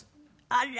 あら！